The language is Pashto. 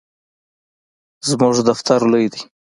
زموږ دفتر لوی دی